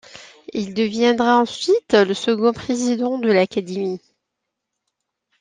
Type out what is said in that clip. Il deviendra ensuite le second président de l'Académie.